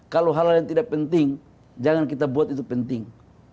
kalau hal hal yang tidak penting jangan kita buat itu penting